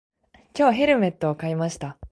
今日、ヘルメットを買いました。